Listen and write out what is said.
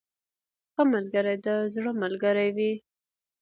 • ښه ملګری د زړه ملګری وي.